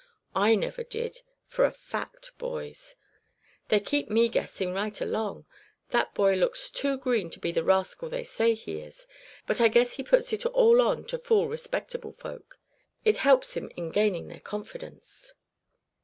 I never did, for a fact, boys. They keep me guessing right along. That boy looks too green to be the rascal they say he is; but I guess he puts it all on to fool respectable folks. It helps him in gaining their confidence."